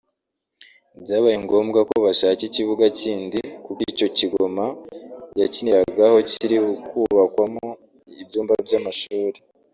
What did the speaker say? Byabaye ngombwa ko bashaka ikibuga kindi kuko icyo Kigoma yakiniragaho kiri kubukwamo ibyumba by’amashuri